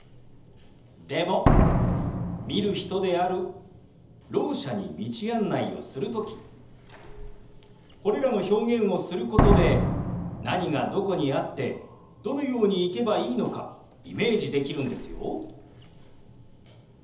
でも見る人であるろう者に道案内をする時これらの表現をすることで何がどこにあってどのように行けばいいのかイメージできるんですよ。